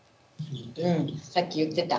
さっき言ってた。